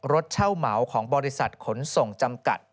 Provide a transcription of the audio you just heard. รถเช่าเหมาของบริษัทขนส่งจำกัด